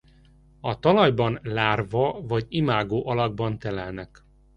A talajban lárva vagy imágó alakban telelnek.